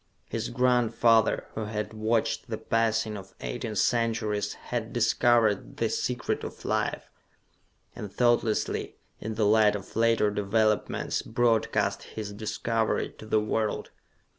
His grandfather, who had watched the passing of eighteen centuries, had discovered the Secret of Life and thoughtlessly, in the light of later developments, broadcast his discovery to the world.